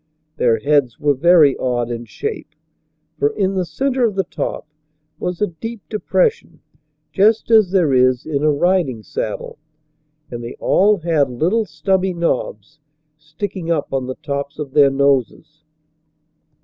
Their heads were very odd in shape, for in the center of the top was a deep depression just 101 102 v.;< MIGHTY ANIMALS as th^6:i kua riding Raddle. And they all had little stubby knobs sticking up on the tops of their noses.